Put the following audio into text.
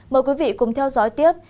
mời quý vị cùng theo dõi tiếp